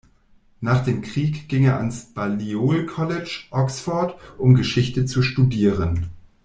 Nach dem Krieg ging er ans Balliol College, Oxford, um Geschichte zu studieren.